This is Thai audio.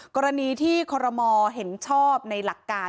กรณีที่คอรมอเห็นชอบในหลักการ